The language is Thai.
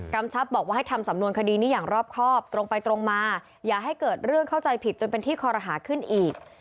ชับบอกว่าให้ทำสำนวนคดีนี้อย่างรอบครอบตรงไปตรงมาอย่าให้เกิดเรื่องเข้าใจผิดจนเป็นที่คอรหาขึ้นอีก